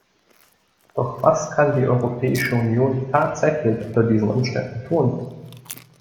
Doch was kann die Europäische Union tatsächlich unter diesen Umständen tun?